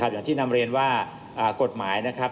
อย่างที่นำเรียนว่า